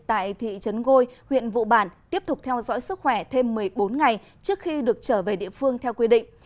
tại thị trấn gôi huyện vụ bản tiếp tục theo dõi sức khỏe thêm một mươi bốn ngày trước khi được trở về địa phương theo quy định